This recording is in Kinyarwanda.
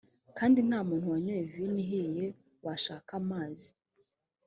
kandi nta muntu wanyoye vino ihiye washaka amazi